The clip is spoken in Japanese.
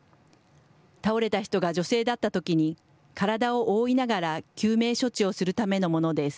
倒れた人が女性だったときに、体を覆いながら救命処置をするためのものです。